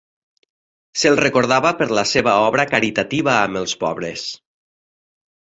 Se'l recordava per la seva obra caritativa amb els pobres.